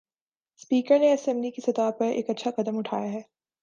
Speaker نے assembly کی سطح پر ایک اچھا قدم اٹھایا ہے۔